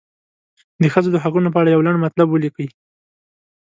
د ښځو د حقونو په اړه یو لنډ مطلب ولیکئ.